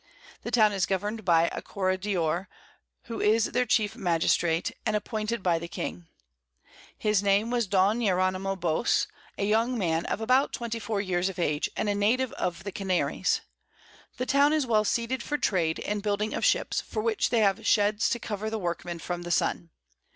The Town is govern'd by a Corregidore, who is their chief Magistrate and appointed by the King. His Name was Don Jeronymo Bos, a young Man of about 24 Years of Age, and a Native of the Canaries. The Town is well seated for Trade, and building of Ships, for which they have Sheds to cover the Workmen from the Sun.